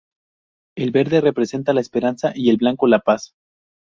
El verde representa la esperanza y el blanco la paz.